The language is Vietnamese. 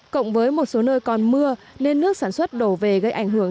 cộng với một số nơi còn mưa nên nước sản xuất đổ về gây ảnh hưởng